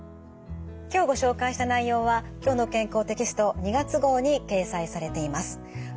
今日ご紹介した内容は「きょうの健康」テキスト２月号に掲載されています。